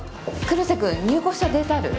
黒瀬くん入稿したデータある？